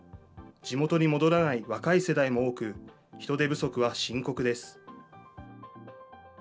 地元に戻らない若い世代も多く、人手不足は深刻です。